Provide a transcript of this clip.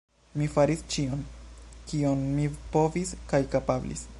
Mi faris ĉion, kion mi povis kaj kapablis.